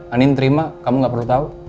andin terima kamu gak perlu tau